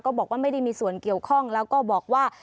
บอกว่าไม่ได้มีส่วนเกี่ยวข้องแล้วก็บอกว่า